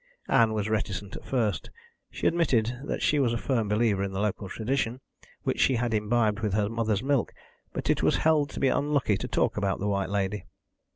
Ann was reticent at first. She admitted that she was a firm believer in the local tradition, which she had imbibed with her mother's milk, but it was held to be unlucky to talk about the White Lady.